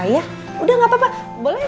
ya udah nggak apa apa boleh dong